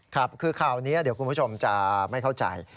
ครับคือข่าวนี้เดี๋ยวคุณผู้ชมจะไม่เข้าใจ